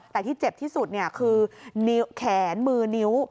แต่ที่เจ็บที่สุดคือแขนมือนิ้ว